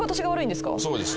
そうです。